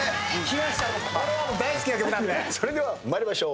それでは参りましょう。